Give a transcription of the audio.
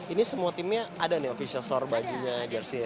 ini semua timnya ada nih official store bajunya jersi ya